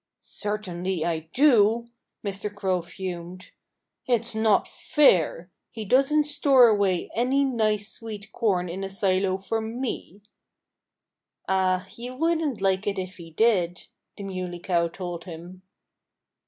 "Certainly I do!" Mr. Crow fumed. "It's not fair. He doesn't store away any nice sweet corn in a silo for me." "Ah! You wouldn't like it if he did," the Muley Cow told him.